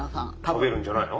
しゃべるんじゃないの？